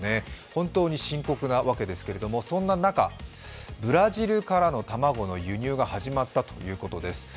本当に深刻なわけですけれども、そんな中、ブラジルからの卵の輸入が始まったということです。